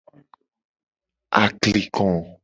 Akliko.